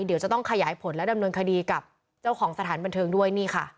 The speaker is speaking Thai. เดี๋ยวจะต้องขยายผลและดำเนินคดีกับเจ้าของสถานบันเทิงด้วยนี่ค่ะ